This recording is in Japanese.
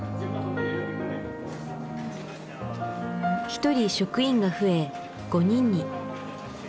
１人職員が増え５人に。